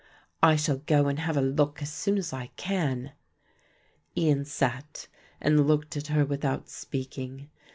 "I shall go and have a look as soon as I can." Ian sat and looked at her without speaking.